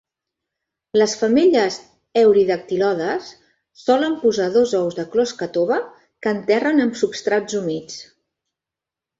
Les femelles "Eurydactylodes" solen posar dos ous de closca tova, que enterren en substrats humits.